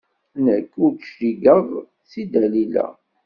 Nekk ur d-cligeɣ seg Dalila.